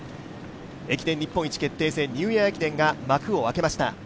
駅伝日本一決定戦ニューイヤー駅伝が幕を開けました。